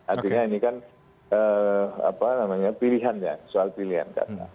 artinya ini kan pilihannya soal pilihan